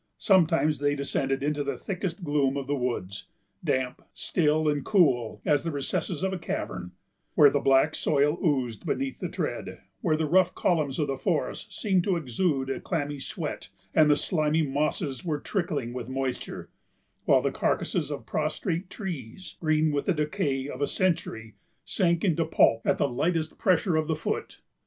Sometimes they descended into the thickest gloom of the woods, damp, still, and cool as the recesses of a cavern, where the black soil oozed beneath the tread, where the rough columns of the forest seemed to exude a clammy sweat, and the slimy mosses were trickling with moisture; while the carcasses of prostrate trees, green with the decay of a century, sank into pulp at the lightest pressure of the foot.